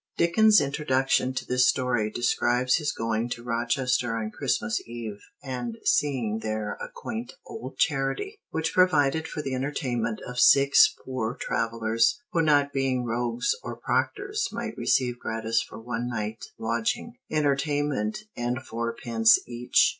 [Dickens' introduction to this story describes his going to Rochester on Christmas Eve and seeing there a quaint old charity, which provided for the entertainment of "six poor travelers who not being rogues or proctors might receive gratis for one night lodging, entertainment and fourpence each."